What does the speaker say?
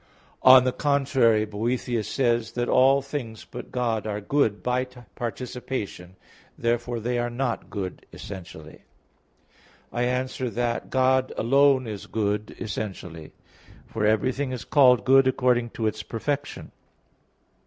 On the contrary, Boethius says (De Hebdom.), that "all things but God are good by participation." Therefore they are not good essentially. I answer that, God alone is good essentially. For everything is called good according to its perfection.